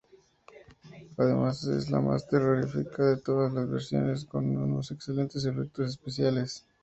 Además es la más terrorífica de todas las versiones, con unos excelentes efectos especiales.